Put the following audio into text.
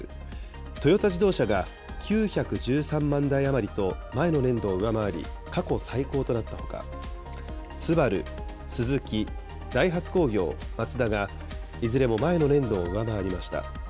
トヨタ自動車が９１３万台余りと前の年度を上回り、過去最高となったほか、ＳＵＢＡＲＵ、スズキ、ダイハツ工業、マツダがいずれも前の年度を上回りました。